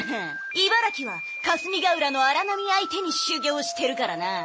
茨城は霞ヶ浦の荒波相手に修業してるからな。